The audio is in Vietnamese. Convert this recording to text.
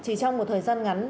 chỉ trong một thời gian ngắn